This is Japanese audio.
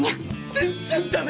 全然ダメ！